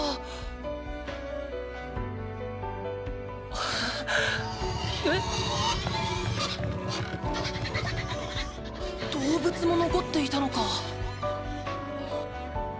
はえっ⁉動物も残っていたのか。